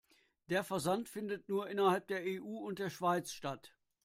Der Versand findet nur innerhalb der EU und der Schweiz statt.